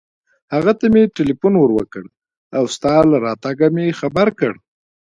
هغه ته مې ټېلېفون ور و کړ او ستا له راتګه مې خبر کړ.